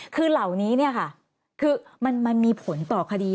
คือเหล่านี้ค่ะมันมีผลต่อคดี